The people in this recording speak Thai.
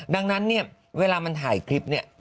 ดังนั้นเนี่ยเวลามันถ่ายคลิปเนี่ย